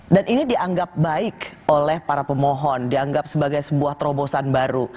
dan ini dianggap baik oleh para pemohon dianggap sebagai sebuah terobosan baru